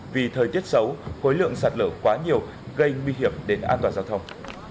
vì thời tiết xấu khối lượng sạt lở quá nhiều gây nguy hiểm đến an toàn giao thông